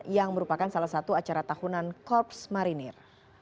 yang merupakan salah satu acara tahunan korps marinir